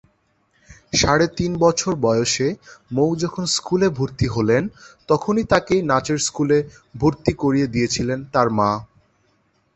সাড়ে তিন বছর বয়সে মৌ যখন স্কুলে ভর্তি হলেন, তখনই তাকে নাচের স্কুলে ভর্তি করে দিয়েছিলেন তার মা।